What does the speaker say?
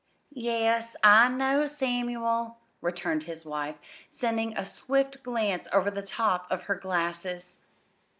"Yes, I know, Samuel," returned his wife, sending a swift glance over the top of her glasses.